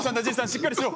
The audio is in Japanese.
しっかりしろ！